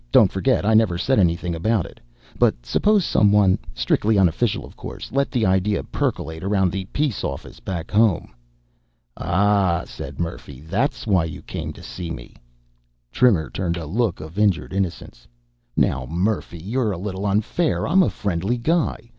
Don't forget, I never said anything about it. But suppose someone strictly unofficial, of course let the idea percolate around the Peace Office back home." "Ah," said Murphy. "That's why you came to see me." Trimmer turned a look of injured innocence. "Now, Murphy, you're a little unfair. I'm a friendly guy.